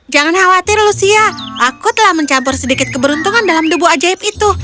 jangan khawatir lucia aku telah mencampur sedikit keberuntungan dalam debu ajaib itu